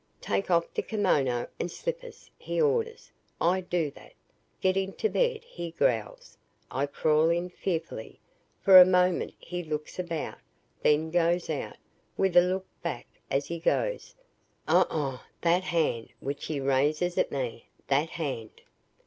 "'Take off the kimono and slippers!' he orders. I do that. 'Get into bed!' he growls. I crawl in fearfully. For a moment he looks about, then goes out with a look back as he goes. Oh! Oh! That hand which he raises at me THAT HAND!"